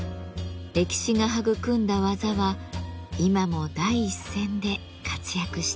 歴史が育んだ技は今も第一線で活躍しています。